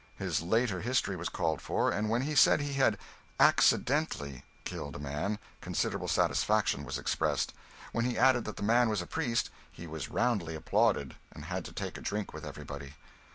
His later history was called for, and when he said he had 'accidentally' killed a man, considerable satisfaction was expressed; when he added that the man was a priest, he was roundly applauded, and had to take a drink with everybody.